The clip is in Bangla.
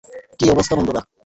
কী অবস্থা, বন্ধুরা?